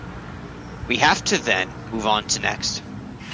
We have to then move on to next.